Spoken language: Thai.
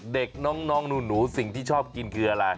เด็กน้องหนูสิ่งที่ชอบกินคืออะไร